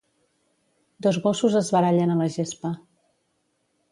Dos gossos es barallen a la gespa.